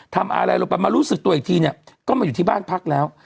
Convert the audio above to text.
ทำอะไรลงไปมารู้สึกตัวอีกทีเนี่ยก็มาอยู่ที่บ้านพักแล้ว